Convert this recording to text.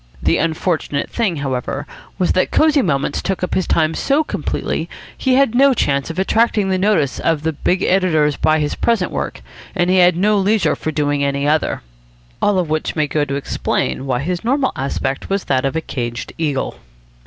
The unfortunate thing, however, was that Cosy Moments took up his time so completely. He had no chance of attracting the notice of big editors by his present work, and he had no leisure for doing any other. All of which may go to explain why his normal aspect was that of a caged eagle.